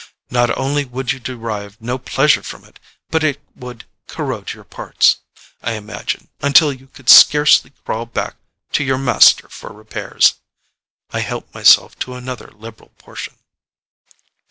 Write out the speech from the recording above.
Not only would you derive no pleasure from it, but it would corrode your parts, I imagine, until you could scarcely crawl back to your master for repairs." I helped myself to another liberal portion.